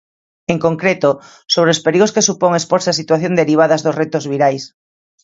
En concreto sobre os perigos que supón exporse a situacións derivadas dos retos virais.